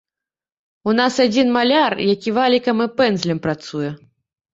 У нас адзін маляр, які валікам і пэндзлем працуе.